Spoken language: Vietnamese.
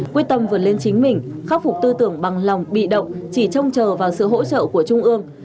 quyết tâm vượt lên chính mình khắc phục tư tưởng bằng lòng bị động chỉ trông chờ vào sự hỗ trợ của trung ương